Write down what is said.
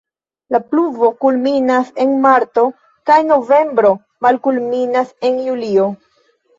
La pluvo kulminas en marto kaj novembro, malkulminas en julio.